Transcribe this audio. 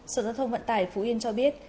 sở giao thông vận tải phú yên cho biết